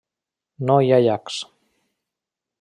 No hi ha llacs.